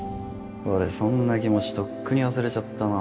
俺そんな気持ちとっくに忘れちゃったな